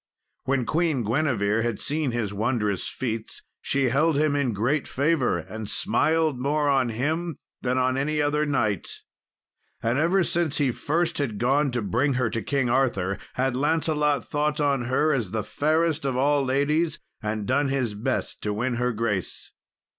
When Queen Guinevere had seen his wondrous feats, she held him in great favour, and smiled more on him than on any other knight. And ever since he first had gone to bring her to King Arthur, had Lancelot thought on her as fairest of all ladies, and done his best to win her grace.